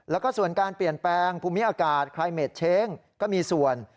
แล้วก็ส่วนการเปลี่ยนแปลงภูมิอากาศไครเมดเช้งก็มีส่วน